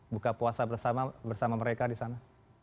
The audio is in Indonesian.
buka puasa bersama mereka disana